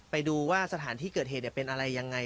ไปดูว่าสถานที่เกิดเหตุเป็นอะไรยังไง